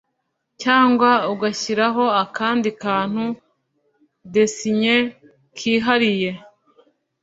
cyangwa ugashyiraho akandi kantu(design) kihariye